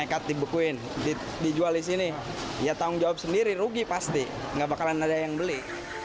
nekat dibekuin dijual di sini ya tanggung jawab sendiri rugi pasti nggak bakalan ada yang beli